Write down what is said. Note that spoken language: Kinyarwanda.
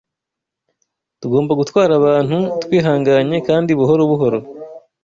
Tugomba gutwara abantu twihanganye kandi buhoro buhoro